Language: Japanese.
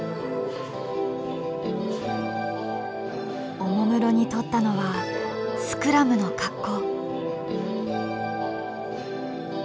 おもむろにとったのはスクラムの格好。